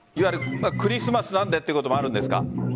クリスマスなのでということもあるんですか？